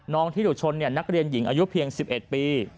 น้องที่หลุดชนเนี่ยนักเรียนหญิงอายุเพียง๑๑ปี